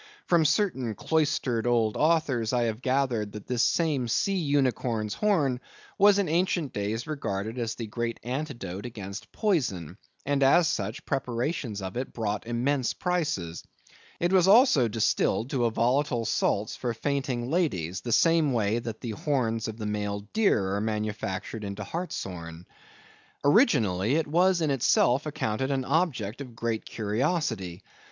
From certain cloistered old authors I have gathered that this same sea unicorn's horn was in ancient days regarded as the great antidote against poison, and as such, preparations of it brought immense prices. It was also distilled to a volatile salts for fainting ladies, the same way that the horns of the male deer are manufactured into hartshorn. Originally it was in itself accounted an object of great curiosity.